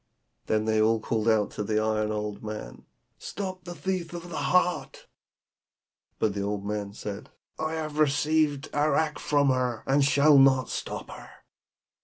Then they called out to the iron old man, 'Stop the thief with the heart!' But the old man said, 'I have received arrack from her, and shall not stop her.'